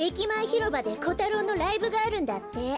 ひろばでコタロウのライブがあるんだって。